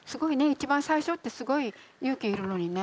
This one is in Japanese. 一番最初ってすごい勇気要るのにね。